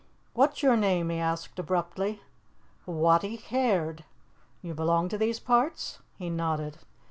"What's your name?" he asked abruptly. "Wattie Caird." "You belong to these parts?" He nodded.